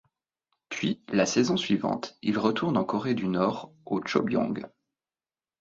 Puis, la saison suivante il retourne en Corée du Nord au Chobyong.